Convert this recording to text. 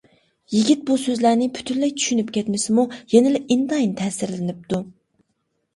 يىگىت بۇ سۆزلەرنى پۈتۈنلەي چۈشىنىپ كەتمىسىمۇ يەنىلا ئىنتايىن تەسىرلىنىپتۇ.